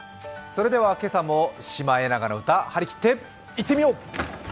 それでは今朝も「シマエナガの歌」張り切っていってみよう！